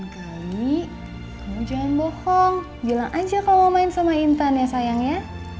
ya udah lain kali kamu jangan bohong bilang aja kamu mau main sama intan ya sayangnya